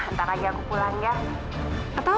ntar lagi aku pulang ya